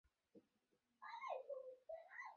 যোগেন্দ্র কহিল, সব তো শুনিয়াছ, এখন ইহার উপায় কী?